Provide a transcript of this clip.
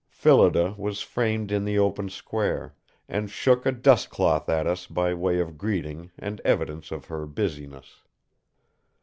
Phillida was framed in the open square, and shook a dustcloth at us by way of greeting and evidence of her busyness.